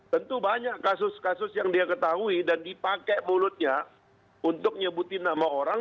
tentu banyak kasus kasus yang dia ketahui dan dipakai mulutnya untuk nyebutin nama orang